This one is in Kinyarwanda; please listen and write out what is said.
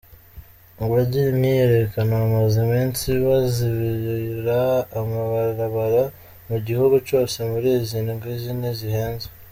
Abagira imyiyerekano bamaze imisi bazibira amabarabara mu gihugu cose muri izi ndwi zine ziheze.